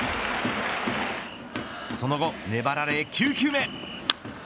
その後、粘られ９球目。